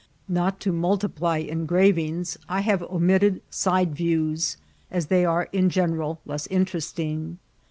Not to multiply engravings, I have omitted side views, as they are, in general, less interesting.